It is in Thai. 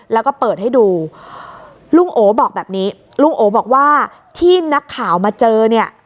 แล้วก็เปิดให้ดูลุงโอบอกแบบนี้ลุงโอบอกว่าที่นักข่าวมาเจอเนี่ย